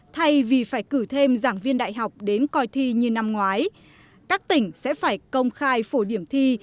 thay vì phải cử thêm giảng viên đại học đến coi thi như năm ngoái các tỉnh sẽ phải công khai phổ điểm thi